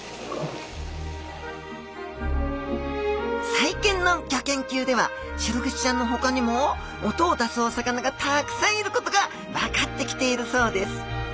最近のギョ研究ではシログチちゃんのほかにも音を出すお魚がたくさんいることが分かってきているそうです。